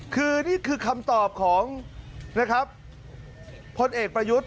คือนี่คือคำตอบของนะครับพลเอกประยุทธ์